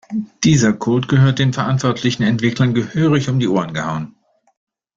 Dieser Code gehört den verantwortlichen Entwicklern gehörig um die Ohren gehauen.